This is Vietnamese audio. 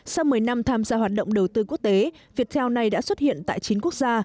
sau một mươi năm tham gia hoạt động đầu tư quốc tế viettel này đã xuất hiện tại chín quốc gia